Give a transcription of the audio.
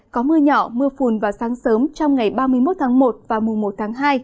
có mưa nhỏ mưa phùn vào sáng sớm trong ngày ba mươi một tháng một và mùa một tháng hai